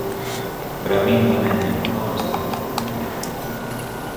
Para min tamén é un honor estar aquí por primeira vez.